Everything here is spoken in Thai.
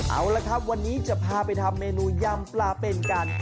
เอาละครับวันนี้จะพาไปทำเมนูยำปลาเป็นกัน